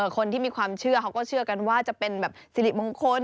คนที่มีความเชื่อเขาก็เชื่อกันว่าจะเป็นแบบสิริมงคล